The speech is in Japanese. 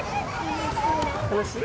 楽しい。